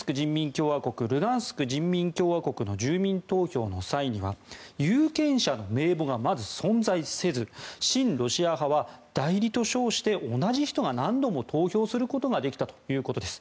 共和国ルガンスク人民共和国の住民投票の際には有権者の名簿が、まず存在せず親ロシア派は代理と称して同じ人が何度も投票することができたということです。